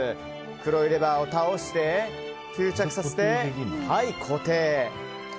黒いレバーを倒して吸着させて固定。